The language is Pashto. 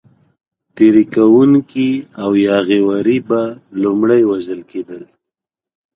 تېري کوونکي او یاغي وري به لومړی وژل کېدل.